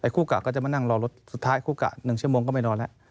คู่กะก็จะมานั่งรอรถสุดท้ายคู่กะ๑ชั่วโมงก็ไม่นอนแล้ว